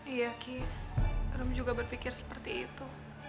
iya ki rem juga berpikir seperti itu